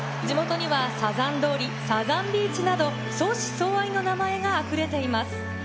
地元にはサザン通り、サザンビーチなど、相思相愛の名前があふれています。